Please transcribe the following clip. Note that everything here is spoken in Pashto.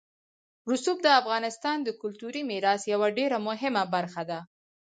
رسوب د افغانستان د کلتوري میراث یوه ډېره مهمه برخه ده.